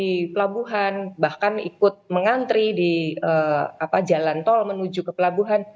di pelabuhan bahkan ikut mengantri di jalan tol menuju ke pelabuhan